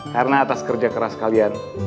karena atas kerja keras kalian